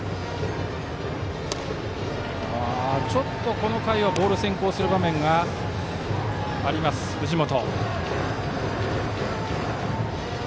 この回はボール先行する場面があります、藤本。